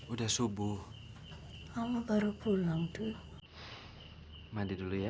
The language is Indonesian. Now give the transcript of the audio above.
udah subuh kamu baru pulang dulu mandi dulu ya